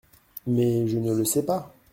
Mais je ne le sais pas !